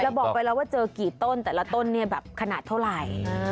บอกไปแล้วว่าเจอกี่ต้นแต่ละต้นเนี่ยแบบขนาดเท่าไหร่